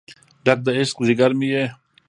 ډک د عشق ځیګر مې یې